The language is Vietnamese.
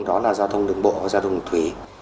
đó là giao thông đường bộ và giao thông đường thủy